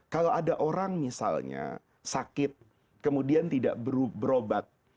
kalau ada orang misalnya sakit kemudian tidak berobat